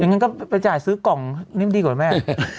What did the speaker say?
จ๋อยังก็ไปจ่ายซื้อกล่องนี่ดีกว่าแม่